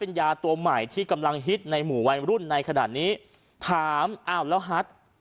ยาตัวใหม่ที่กำลังฮิตในหมู่วัยรุ่นในขณะนี้ถามอ้าวแล้วฮัท